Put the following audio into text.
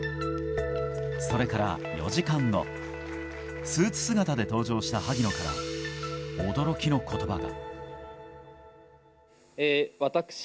それから４時間後スーツ姿で登場した萩野から驚きの言葉が。